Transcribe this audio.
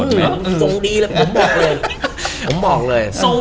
ทรงดีเลยผมบอกเลย